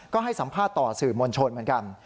ก็ให้สัมภาษณ์ต่อสื่อมวลชนเหมือนกัน